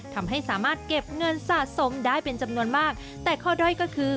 ทำให้สามารถเก็บเงินสะสมได้เป็นจำนวนมากแต่ข้อด้อยก็คือ